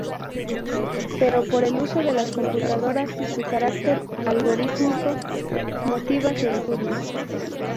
Pero por el uso de las computadoras y su carácter algorítmico, motiva su estudio.